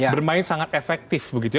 bermain sangat efektif begitu ya